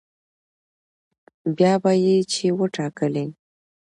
بيا به يې چې وټاکلې